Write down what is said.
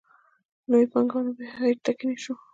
نوې پانګونې بهیر ټکنی شو.